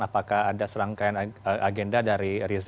apakah ada serangkaian agenda dari rizki syaf